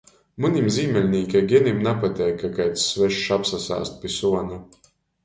Munim zīmeļnīka genim napateik, ka kaids svešs apsasāst pi suona.